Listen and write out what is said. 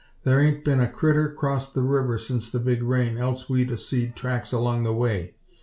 Thar hain't been a critter crossed the river since the big rain, else we'd a seed tracks along the way.